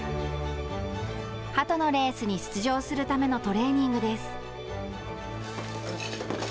はとのレースに出場するためのトレーニングです。